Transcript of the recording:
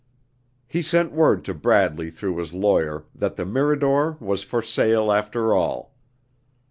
He sent word to Bradley through his lawyer, that the Mirador was for sale, after all.